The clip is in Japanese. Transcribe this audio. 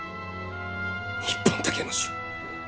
日本だけの種！